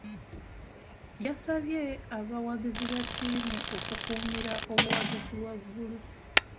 Yasabye abawagizi ba ttiimu okukuumira obuwagazi waggulu.